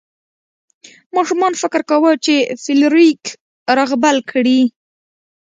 ماشومان فکر کاوه چې فلیریک رغبل کړي.